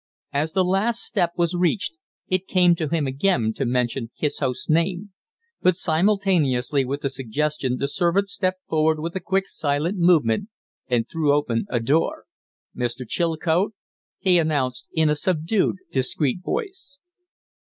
As the last step was reached it came to him again to mention his host's name; but simultaneously with the suggestion the servant stepped forward with a quick, silent movement and threw open a door. "Mr. Chilcote!" he announced, in a subdued, discreet voice.